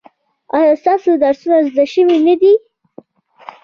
ایا ستاسو درسونه زده شوي نه دي؟